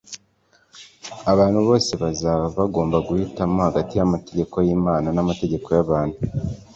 Abantu bose bazaba bagomba guhitamo hagati y'amategeko y'Imana n'amategeko y'abantu.